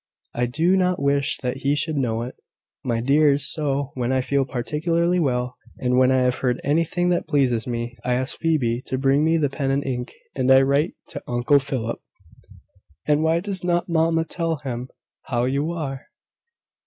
I do not wish that he should know it, my dears; so, when I feel particularly well, and when I have heard anything that pleases me, I ask Phoebe to bring me the pen and ink, and I write to Uncle Philip." "And why does not mamma tell him how you are?"